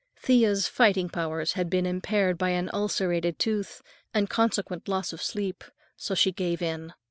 Thea's fighting powers had been impaired by an ulcerated tooth and consequent loss of sleep, so she gave in.